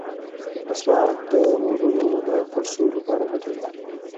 مسواک د ووریو د پړسوب لپاره ګټه لري.